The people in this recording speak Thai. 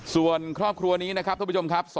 ส่วนครอบครัวนี้นะครับท่านผู้ชมครับ